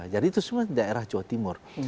jadi itu semua daerah jawa timur